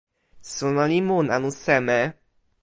suno li mun anu seme?